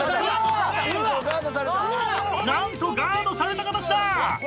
何とガードされた形だ！